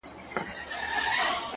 اوس چي سهار دى گراني؛